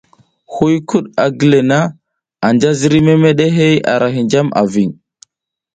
Hiykud a gi le na anja ziriy memeɗe hey a ra hinjam a ving.